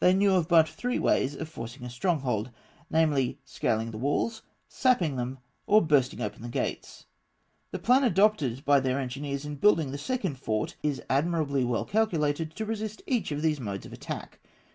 They knew of but three ways of forcing a stronghold; namely, scaling the walls, sapping them, or bursting open the gates. The plan adopted by their engineers in building the second fort is admirably well calculated to resist each of these modes of attack (fig.